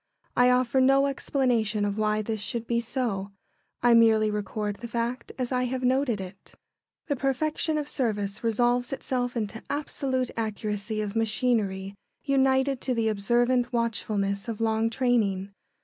I offer no explanation of why this should be so. I merely record the fact as I have noted it. The perfection of service resolves itself into absolute accuracy of machinery united to the observant watchfulness of long training.